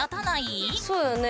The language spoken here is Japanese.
そうよね。